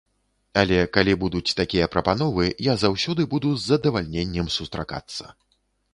Але калі будуць такія прапановы, я заўсёды буду з задавальненнем сустракацца.